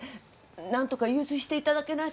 何とか融通していただけないかしら。